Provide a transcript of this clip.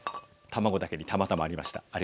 卵だけにたまたまありました！